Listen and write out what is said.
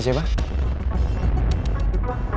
lo suka sama siapa